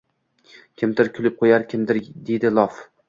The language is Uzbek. Kimdir kulib qo’yar, kimdir deydi lof